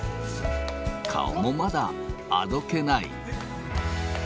顔もまだあどけない。